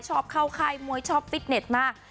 ชอบเข้าค่ายมวยชอบฟิตเน็ตมาก